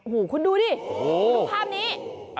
หูคุณดูดิถูกภาพนี้โอ้โฮโอ้โฮ